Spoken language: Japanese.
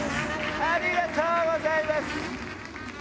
ありがとうございます！